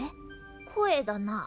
声だな。